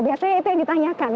biasanya itu yang ditanyakan